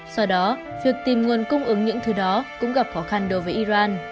do đó việc tìm nguồn cung ứng những thứ đó cũng gặp khó khăn đối với iran